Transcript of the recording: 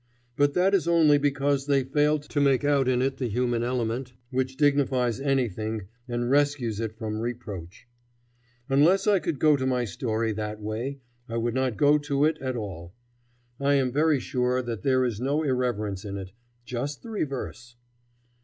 But that is only because they fail to make out in it the human element which dignifies anything and rescues it from reproach. Unless I could go to my story that way I would not go to it at all. I am very sure that there is no irreverence in it just the reverse.